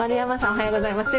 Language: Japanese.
おはようございます。